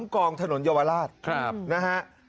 ๓กองถนนเยาวราชครับนะฮะ